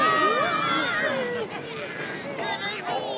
苦しいよ。